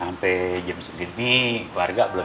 sampe jam sembilan ini keluarga belum